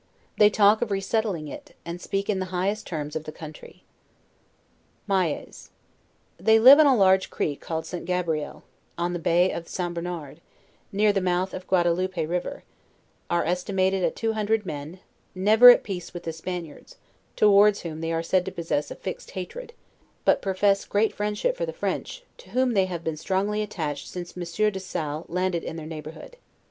They talk of re settling it, and speak in the highest terms of the country. MAYES. They live on a large creek called St. Gabriel, on the bay of St. Bernard, near the mouth of Gaudaloupe river; are estimated at two hundred men; never at peace with the Spaniards, towards whom they are said to possess a fix ed hatred, but profess great friendship for the French, to whom they havajpeen strongly attached since Monsieur de Salle landed in their neighborhood.